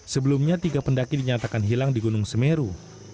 sebelumnya tiga pendaki dinyatakan hilang di gunung semeru